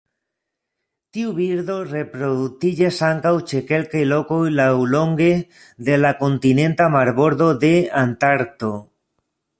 Tiu birdo reproduktiĝas ankaŭ ĉe kelkaj lokoj laŭlonge de la kontinenta marbordo de Antarkto.